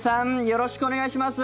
よろしくお願いします。